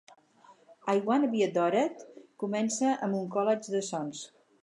"I Wanna Be Adored" comença amb un collage de sons.